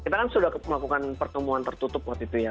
kita kan sudah melakukan pertemuan tertutup waktu itu ya